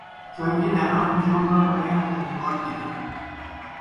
جایی که در آن جون را برای اولین بار دیدم